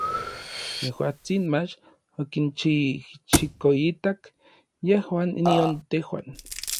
Yejuatsin mach okinchijchikoitak yejuan nion tejuan.